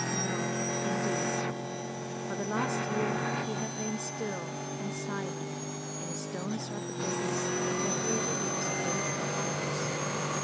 No, indeed. For the last year he had lain still and silent in a stone sarcophagus decorated with his coat of arms.